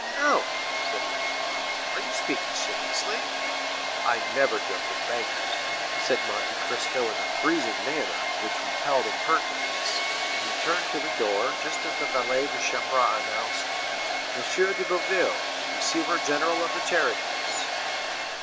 "Count," said Danglars, "are you speaking seriously?" "I never joke with bankers," said Monte Cristo in a freezing manner, which repelled impertinence; and he turned to the door, just as the valet de chambre announced: "M. de Boville, Receiver General of the charities."